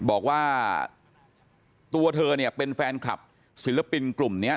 บอกว่าตัวเธอเนี่ยเป็นแฟนคลับศิลปินกลุ่มนี้